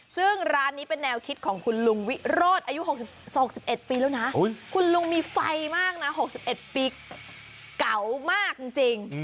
ซึ่งร้านนี้เป็นแนวคิดของคุณลุงวิโรธอายุ๒๑ปีแล้วนะคุณลุงมีไฟมากนะ๖๑ปีเก่ามากจริง